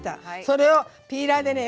それをピーラーでね